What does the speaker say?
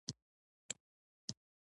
هغه په خپله یوه مشهوره وینا کې نیوکې وکړې